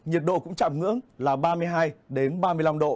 nhiệt độ cũng chạm ngưỡng là ba mươi hai ba mươi năm độ